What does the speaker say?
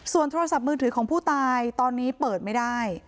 โทรศัพท์มือถือของผู้ตายตอนนี้เปิดไม่ได้